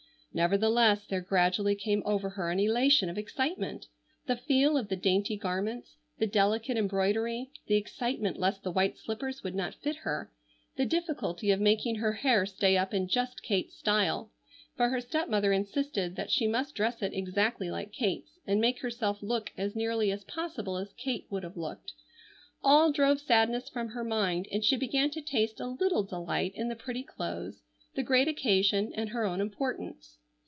Nevertheless there gradually came over her an elation of excitement. The feel of the dainty garments, the delicate embroidery, the excitement lest the white slippers would not fit her, the difficulty of making her hair stay up in just Kate's style—for her stepmother insisted that she must dress it exactly like Kate's and make herself look as nearly as possible as Kate would have looked,—all drove sadness from her mind and she began to taste a little delight in the pretty clothes, the great occasion, and her own importance.